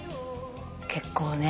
結構ね。